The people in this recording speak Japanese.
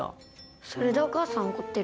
それでお母さん怒ってるんだ。